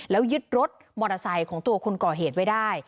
แล้วยึดรถมอเตอร์ไซค์ของตัวคนก่อเหตุไว้ได้